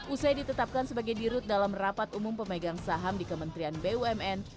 usai ditetapkan sebagai dirut dalam rapat umum pemegang saham di kementerian bumn